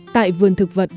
tại vườn thực vật